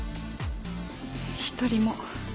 一人も。